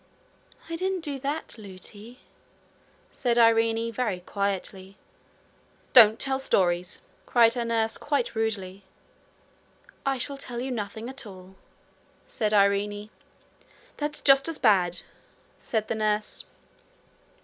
'I didn't do that, Lootie,' said Irene, very quietly. 'Don't tell stories!' cried her nurse quite rudely. 'I shall tell you nothing at all,' said Irene. 'That's just as bad,' said the nurse.